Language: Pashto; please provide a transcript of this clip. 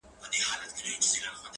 اوس له خپل ځان څخه پردى يمه زه.